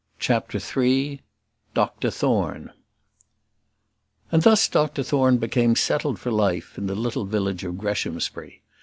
CHAPTER III Dr Thorne And thus Dr Thorne became settled for life in the little village of Greshamsbury.